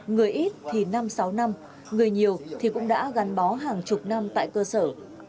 người ít thì năm sáu năm người nhiều thì cũng đã gắn bó hàng chục năm tại cơ sở